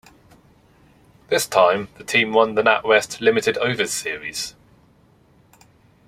This time, the team won the NatWest limited overs series.